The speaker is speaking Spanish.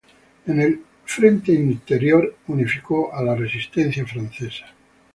En el frente interior unificó a la resistencia francesa.